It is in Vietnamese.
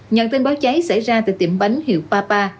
nhận tin báo cháy xảy ra từ tiệm bánh hiệu papa